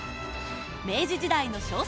明治時代の小説